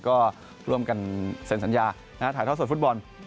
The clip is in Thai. ก็ร่วมกันเซ็นสัญญาถ่ายท่อสดฟุตบอล